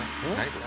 これ。